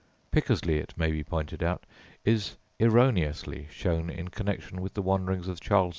Pickersleigh, it may be pointed out, is erroneously shown in connection with the wanderings of Charles II.